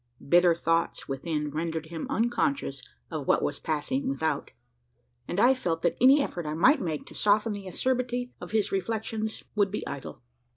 Bitter thoughts within rendered him unconscious of what was passing without; and I felt that any effort I might make to soften the acerbity of his reflections would be idle.